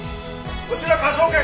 こちら科捜研。